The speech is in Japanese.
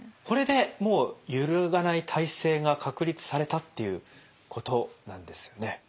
これでもう揺るがない体制が確立されたっていうことなんですよね？